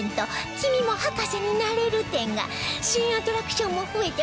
「君も博士になれる展」が新アトラクションも増えてパワーアップ